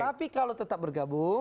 tapi kalau tetap bergabung